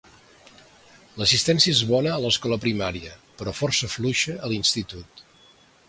L'assistència és bona a l'escola primària però força fluixa a l'institut.